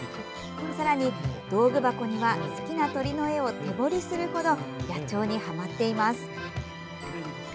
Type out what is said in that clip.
さらに、道具箱には好きな鳥の絵を手彫りする程野鳥にハマっています。